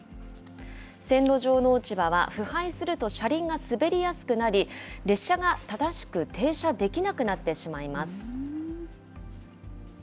線路上の落ち葉は、腐敗すると車輪が滑りやすくなり、列車が正しく停車できなくなってしまいます。